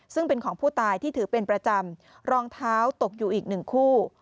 ซึ่งเป็นของผู้ตายที่ถือเป็นประจำรองเท้าตกอยู่อีกหนึ่งคู่